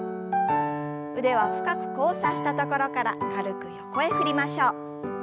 腕は深く交差したところから軽く横へ振りましょう。